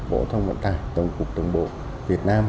bộ thông bản tài tổng cục đồng bộ việt nam